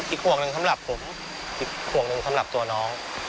ห่วงหนึ่งสำหรับผมอีกขวงหนึ่งสำหรับตัวน้อง